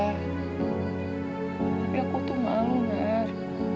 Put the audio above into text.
tapi aku tuh malu mer